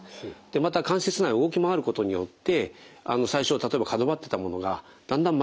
また関節内を動き回ることによって最初は例えば角張っていたものがだんだん丸くなってですね